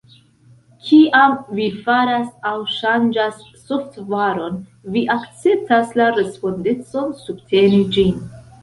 Kiam vi faras aŭ ŝanĝas softvaron, vi akceptas la respondecon subteni ĝin.